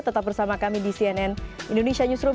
tetap bersama kami di cnn indonesia newsroom